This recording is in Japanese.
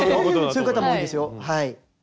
そういう方も多いですよはい。